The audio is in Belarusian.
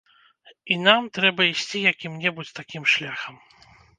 І нам трэба ісці якім-небудзь такім шляхам.